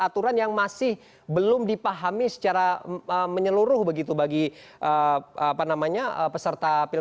bukan untuk kemudian soal membohongi bukan soal akal akal